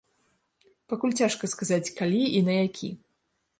Пакуль цяжка сказаць, калі і на які.